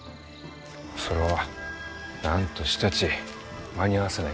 それはなんとしたち間に合わせないかんのう。